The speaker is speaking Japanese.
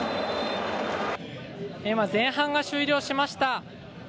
今、前半が終了しました。